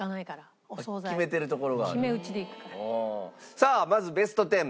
さあまずベスト１０